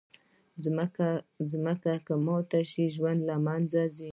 مځکه که ماته شي، ژوند له منځه ځي.